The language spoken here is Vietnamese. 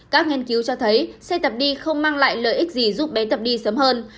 các nghiên cứu cho thấy xe tập đi không mang lại lợi ích gì giúp bé tập đi sớm hơn